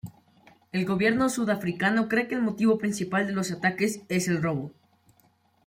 El gobierno sudafricano cree que el motivo principal de los ataques es el robo.